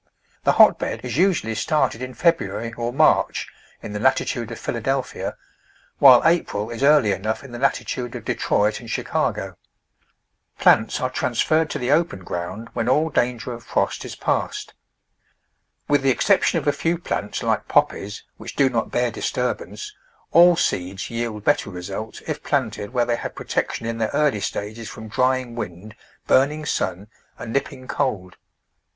The hotbed is usually started in February or March in the latitude of Philadelphia, while April is early enough in the latitude of Detroit and Chicago. Plants are trans ferred to the open ground when all danger of frost is past. With the exception of a few plants like Poppies, which do not bear disturbance, all seeds yield better results if planted where they have protection in their early stages from drying wind, burning sun and nip ping cold.